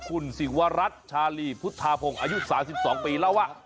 คุณศิวรัฐชาลีพุทธาพงศ์อายุ๓๒ปีเล่าว่า